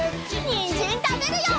にんじんたべるよ！